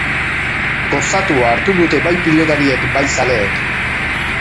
Gozatua hartu dute bai pilotariek bai zaleek.